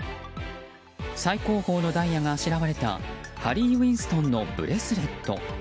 最高峰のダイヤがあしらわれたハリー・ウィンストンのブレスレット。